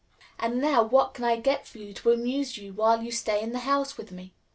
And now what can I get for you to amuse you while you stay in the house with me?"